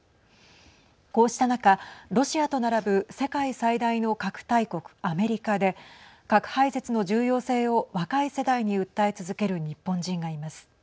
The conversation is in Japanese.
こうした中、ロシアと並ぶ世界最大の核大国、アメリカで核廃絶の重要性を若い世代に訴え続ける日本人がいます。